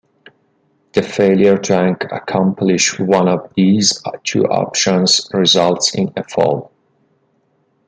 The failure to accomplish one of these two options results in a foul.